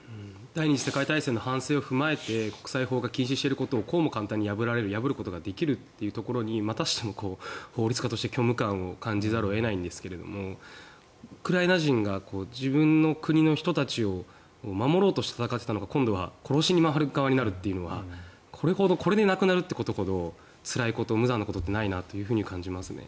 第２次世界大戦の反省を踏まえて国際法が禁止していることをこうも簡単に破ることができるというところにまたしても法律家として虚無感を感じざるを得ないんですがウクライナ人が自分の国の人たちを守ろうとして戦っていたのが今度は殺す側になるというのはこれで亡くなるということほどつらいこと、無残なことはないと感じますね。